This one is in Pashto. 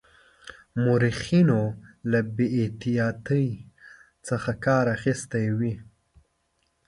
مورخینو له بې احتیاطی څخه کار اخیستی وي.